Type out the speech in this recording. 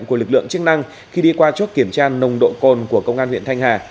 của lực lượng chức năng khi đi qua chốt kiểm tra nồng độ cồn của công an huyện thanh hà